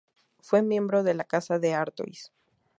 Fue miembro de la Casa de Artois.